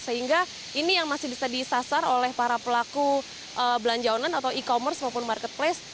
sehingga ini yang masih bisa disasar oleh para pelaku belanja online atau e commerce maupun marketplace